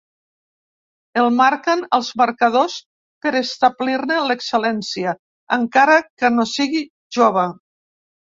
El marquen els marcadors per establir-ne l'excel·lència, encara que no sigui jove.